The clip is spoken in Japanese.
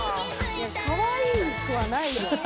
いやかわいくはないよ。